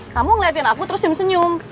kamu ngeliatin aku terus senyum senyum